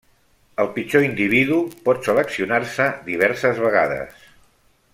El pitjor individu pot seleccionar-se diverses vegades.